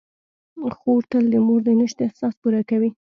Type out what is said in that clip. خور تل د مور د نشت احساس پوره کوي.